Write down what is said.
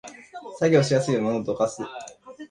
作業しやすいように物をどかす